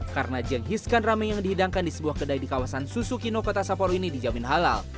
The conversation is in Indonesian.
karena jenghiskan ramen yang dihidangkan di sebuah kedai di kawasan susukino kota sapporo ini dijamin halal